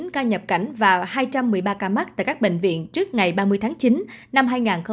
hai trăm linh chín ca nhập cảnh và hai trăm một mươi ba ca mắc tại các bệnh viện trước ngày ba mươi tháng chín năm hai nghìn hai mươi một